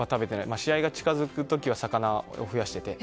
試合が近づく時は魚を増やしていて。